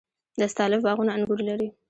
د استالف باغونه انګور لري.